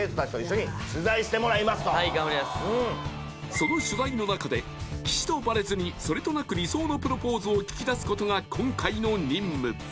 その取材の中で岸とバレずにそれとなく理想のプロポーズを聞き出すことが今回の任務